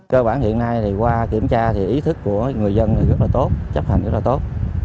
cơ bản hiện nay thì qua kiểm tra thì ý thức của người dân rất là tốt chấp hành rất là tốt